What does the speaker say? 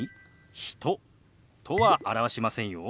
「人」とは表しませんよ。